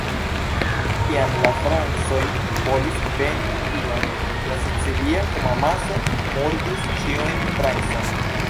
Kiam la francoj volis venĝi tion, la sicilia homamaso murdis ĉiujn francojn.